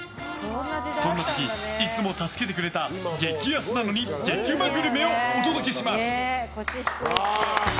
そんな時、いつも助けてくれた激安なのに激ウマグルメをお届けします。